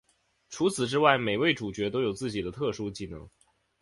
除此之外每位主角都有自己的特殊技能。